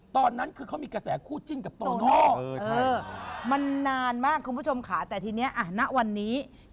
ตอนนั้นคือเขามีกระแสคู่จิ้นกับตัวนอก